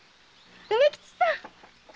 梅吉さん！